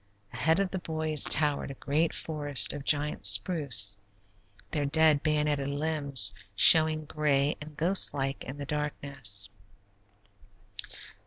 Ahead of the boys towered a great forest of giant spruce, their dead bayoneted limbs showing gray and ghost like in the darkness.